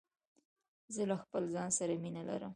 زه له خپل ځان سره مینه لرم.